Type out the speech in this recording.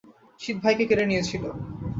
শীত ভাইকে কেড়ে নিয়েছিল।